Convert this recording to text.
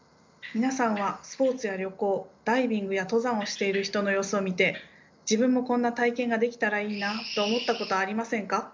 皆さんはスポーツや旅行ダイビングや登山をしている人の様子を見て自分もこんな体験ができたらいいなと思ったことはありませんか？